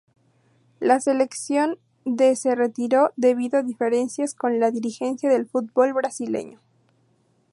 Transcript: La selección de se retiró debido a diferencias con la dirigencia del fútbol brasileño.